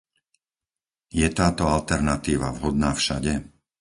Je táto alternatíva vhodná všade?